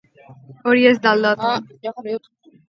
Hori ez da aldatu.